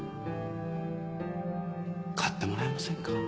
買ってもらえませんか？